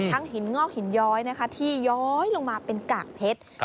ทั้งหินงอกหินย้อยที่ย้อยลงมาเป็นกากเพชร